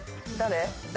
誰？